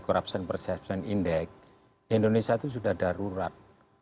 corruption perception index indonesia itu sudah darurat